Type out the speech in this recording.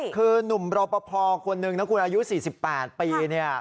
คือนุ่มรอปภคนหนึ่งนะคุณอายุ๔๘ปี